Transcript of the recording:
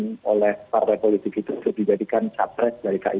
dan oleh partai politik itu itu dijadikan capres dari kib